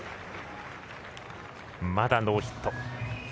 まだノーヒット。